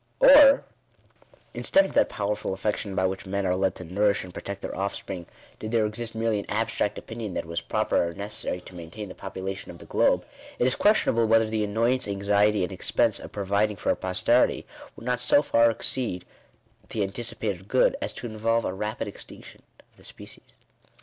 Or, in stead of that powerful affection by which men are led to nourish and protect their offspring, did there exist merely an abstract opinion that it was proper or necessary to maintain the population of the globe, it is questionable whether the annoyance, anxiety, and expense, of providing for a posterity, would not so far exceed the anticipated good, as to involve a rapid extinction of the species.